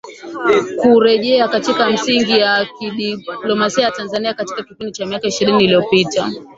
Kurejea katika misingi ya kidiplomasia ya Tanzania Katika kipindi cha miaka ishirini iliyopita